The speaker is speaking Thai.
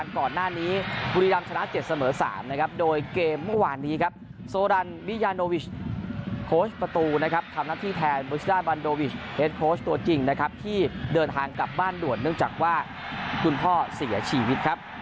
ที่เดินทางกลับบ้านด่วนเนื่องจากว่าคุณพ่อเสียชีวิตครับ